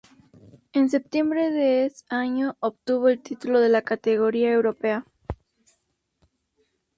En septiembre de es año, obtuvo el título de la categoría europea.